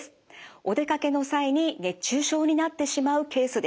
お出かけの際に熱中症になってしまうケースです。